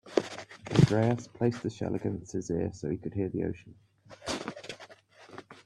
Andreas placed the shell against his ear so he could hear the ocean.